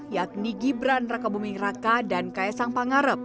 yakni gibran raka buming raka dan ks sang pangarep